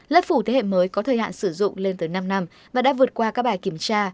lớp phủ thế hệ mới có thời hạn sử dụng lên tới năm năm và đã vượt qua các bài kiểm tra